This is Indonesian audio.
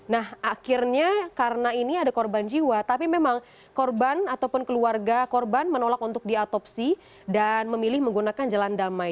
nah akhirnya karena ini ada korban jiwa tapi memang korban ataupun keluarga korban menolak untuk diatopsi dan memilih menggunakan jalan damai